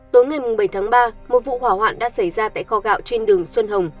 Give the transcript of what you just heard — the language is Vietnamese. tối ngày bảy tháng ba một vụ hỏa hoạn đã xảy ra tại kho gạo trên đường xuân hồng